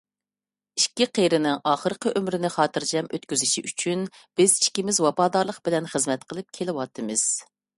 ئىككى قېرىنىڭ ئاخىرقى ئۆمرىنى خاتىرجەم ئۆتكۈزۈشى ئۈچۈن بىز ئىككىمىز ۋاپادارلىق بىلەن خىزمەت قىلىپ كېلىۋاتىمىز.